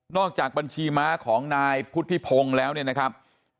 จากบัญชีม้าของนายพุทธิพงศ์แล้วเนี่ยนะครับ